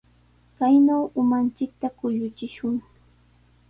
Kaynaw umanchikta kuyuchishun.